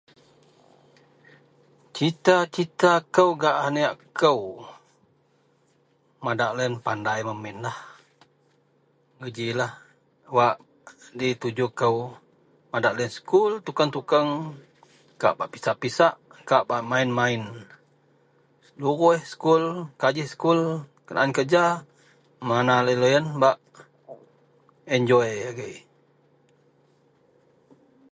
Cita-cita kou gak anek kou madak loyen pandai mamin lah geji lah wak di tuju kou madak gak sekul tukeng-tukeng kak pisak-pisak kak bak mayin-mayin luruih sekul kajih sekul kenaan kerja mana laei loyen bak enjoi agei.